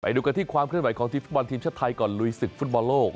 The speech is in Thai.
ดูกันที่ความเคลื่อนไหวของทีมฟุตบอลทีมชาติไทยก่อนลุยศึกฟุตบอลโลก